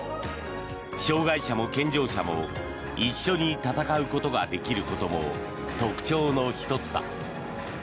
障害者も健常者も一緒に戦うことができることも特徴の１つだ。